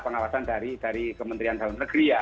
pengawasan dari kementerian dalam negeri ya